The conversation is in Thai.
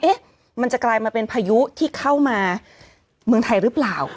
มันจะกลายมาเป็นพายุที่เข้ามาเมืองไทยหรือเปล่า